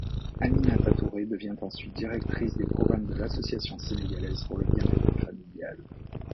Aminata Touré devient ensuite directrice des programmes de l’Association sénégalaise pour le bien-être familial.